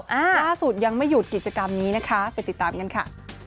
ล่าสุดยังไม่หยุดกิจกรรมนี้นะคะไปติดตามกันค่ะ